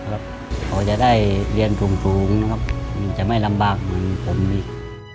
พอจะได้เรียนสูงนะครับมันจะไม่ลำบากเหมือนผมอีก